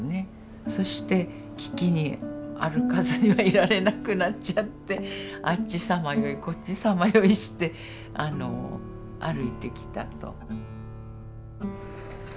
そしてききに歩かずにはいられなくなっちゃってあっちさまよいこっちさまよいしてあの歩いてきたと。